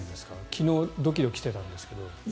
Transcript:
昨日ドキドキしてたんですけど。